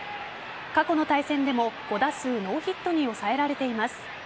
過去の対戦でも５打数ノーヒットに抑えられています。